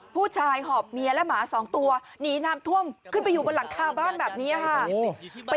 หอบเมียและหมาสองตัวหนีน้ำท่วมขึ้นไปอยู่บนหลังคาบ้านแบบนี้ค่ะ